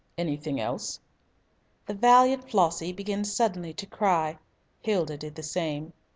"Anything else?" The valiant Flossie began suddenly to cry. Hilda did the same.